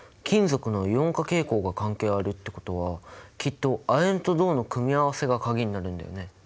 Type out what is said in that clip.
金属のイオン化傾向が関係あるってことはきっと亜鉛と銅の組み合わせが鍵になるんだよね。